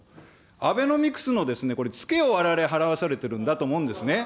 アベノミクスの付けをわれわれ払わされているんだと思うんですね。